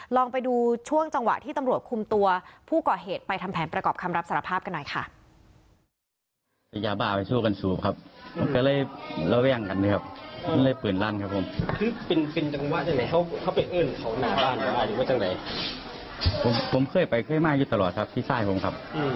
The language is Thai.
ลองไปดูช่วงจังหวะที่ตำรวจคุมตัวผู้ก่อเหตุไปทำแผนประกอบคำรับสารภาพกันหน่อยค่ะ